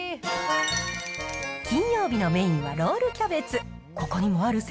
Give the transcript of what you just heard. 金曜日のメインはロールキャベツ。